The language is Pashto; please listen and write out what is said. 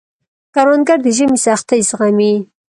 کروندګر د ژمي سختۍ زغمي